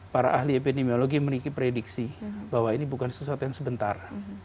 para ahli epidemiologi memiliki prediksi bahwa ini bukan sesuatu yang sebentar